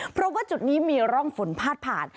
เพราะว่าจุดนี้มีร่องฝนพาดผ่าน